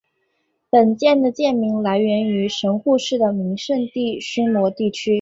本舰的舰名来源于神户市的名胜地须磨地区。